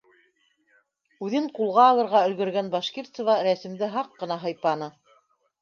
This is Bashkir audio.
- Үҙен ҡулға алырға өлгөргән Башкирцева рәсемде һаҡ ҡына һыйпаны.